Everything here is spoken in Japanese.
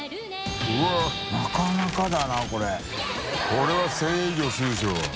これは１０００円以上するでしょ。